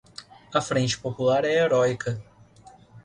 A Frente Popular é heroica